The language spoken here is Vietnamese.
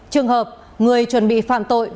trường hợp người chuẩn bị phạm tội